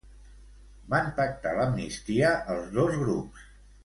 Van pactar l'amnistia els dos grups?